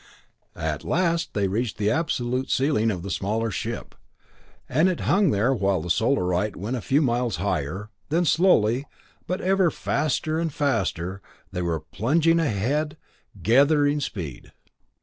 At last they reached the absolute ceiling of the smaller ship, and it hung there while the Solarite went a few miles higher; then slowly, but ever faster and faster they were plunging ahead, gathering speed.